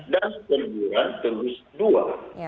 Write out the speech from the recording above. dan tiguran tertulis dua